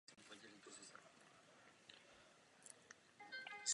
Musíme je přivítat s nadšením, a nikoli hnidopišsky.